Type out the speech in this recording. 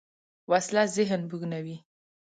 وسله ذهن بوږنوې